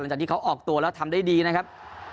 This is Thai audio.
หลังจากที่เขาออกตัวแล้วทำได้ดีนะครับ